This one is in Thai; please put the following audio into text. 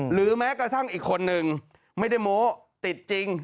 หรือแม้กระทั่งอีกคนนึงไม่ได้โม้ติดจริง